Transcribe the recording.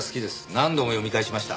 何度も読み返しました。